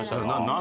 何？